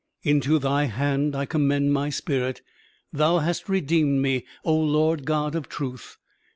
"Into Thy hand I commend my spirit. Thou hast redeemed me, O Lord God of truth.